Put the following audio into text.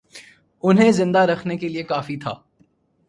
انہیں زندہ رکھنے کے لیے کافی تھا